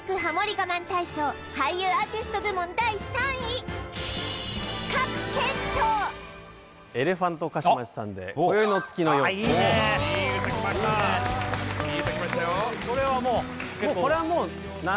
我慢大賞俳優アーティスト部門第３位エレファントカシマシさんで「今宵の月のように」ああいいねいい歌きましたいい歌きましたよ